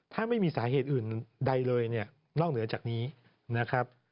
ถ้าไม่มีสาเหตุอื่นใดเลยเนี่ยนอกเหนือจากนี้นะครับ